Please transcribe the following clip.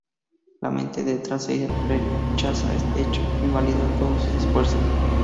La mente de Tracey rechaza este hecho que invalida todos sus esfuerzos.